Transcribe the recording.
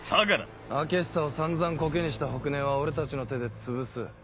開久を散々コケにした北根壊は俺たちの手でつぶす。